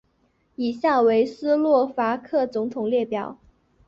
以下为斯洛伐克总统列表。